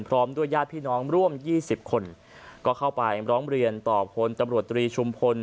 พร้อมด้วยญาติพี่น้องร่วมยี่สิบคนก็เข้าไปร้องเรียนต่อพลตำรวจตรีชุมพล